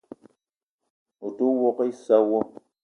O te ouok issa wo?